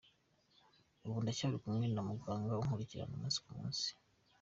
Ubu ndacyari kumwe na muganga unkurikirana umunsi ku munsi.